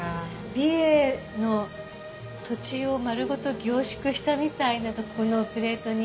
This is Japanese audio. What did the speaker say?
美瑛の土地を丸ごと凝縮したみたいこのプレートに。